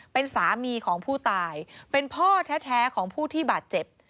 เป็นสามีของผู้ตายเป็นพ่อแท้ของผู้ที่บาดเจ็บ